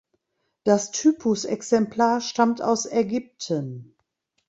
Das Typusexemplar stammt aus Ägypten.